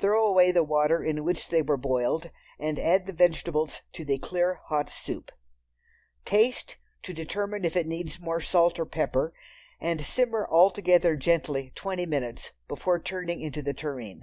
Throw away the water in which they were boiled, and add the vegetables to the clear hot soup. Taste, to determine if it needs more pepper or salt, and simmer all together gently twenty minutes before turning into the tureen.